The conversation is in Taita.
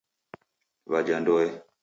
Waja Ndoe.